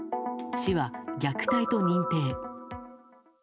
市は虐待と認定。